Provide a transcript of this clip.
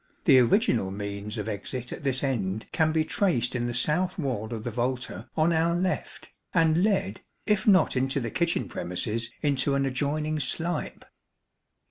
The original means of exit at this end can be traced in the south wall of the volta on our left, and led, if not into the kitchen premises, into an adjoining slype.